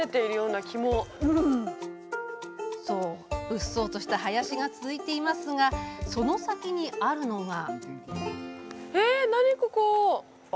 うっそうとした林が続いていますがその先にあるのが。